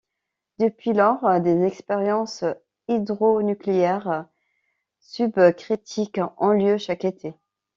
Depuis lors, des expériences hydronucléaires subcritiques ont lieu chaque été.